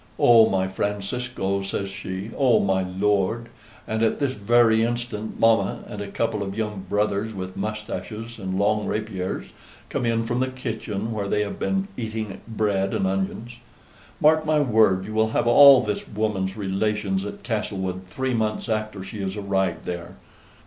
'Oh, my Francisco,' says she, 'oh my lord!' and at this very instant mamma and a couple of young brothers, with moustaches and long rapiers, come in from the kitchen, where they have been eating bread and onions. Mark my word, you will have all this woman's relations at Castlewood three months after she has arrived there.